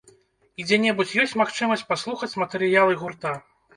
І дзе-небудзь ёсць магчымасць паслухаць матэрыялы гурта?